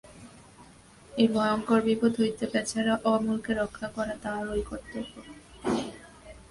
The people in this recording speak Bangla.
এই ভয়ংকর বিপদ হইতে বেচারা অমলকে রক্ষা করা তাহারই কর্তব্য।